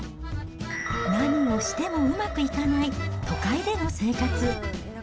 何をしてもうまくいかない、都会での生活。